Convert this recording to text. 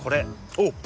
おっ！